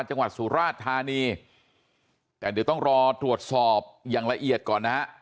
จังหวัดสุราชธานีแต่เดี๋ยวต้องรอตรวจสอบอย่างละเอียดก่อนนะฮะ